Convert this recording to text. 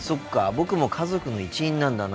僕も家族の一員なんだな。